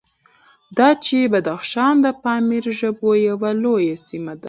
دا چې بدخشان د پامیري ژبو یوه لویه سیمه ده،